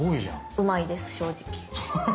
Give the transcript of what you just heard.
うまいです正直。